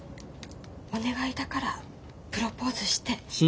お願いだからプロポーズして。